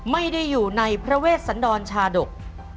ไม่ได้อยู่ในพระเวชสันดรชาดก